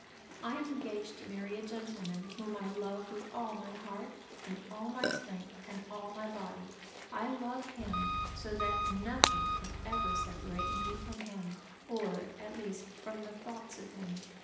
"I am engaged to marry a gentleman whom I love with all my heart, and all my strength, and all my body. I love him so that nothing can ever separate me from him, or, at least, from the thoughts of him.